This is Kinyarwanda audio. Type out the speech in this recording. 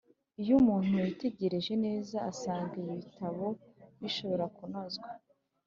Iyo umuntu yitegereje neza asanga ibi bitabo bishobora kunozwa